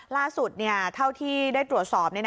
ล่าสุดเท่าที่ได้ตรวจสอบ